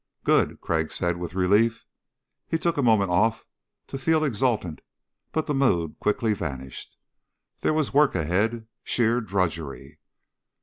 "Good," Crag said with relief. He took a moment off to feel exultant but the mood quickly vanished. There was work ahead sheer drudgery.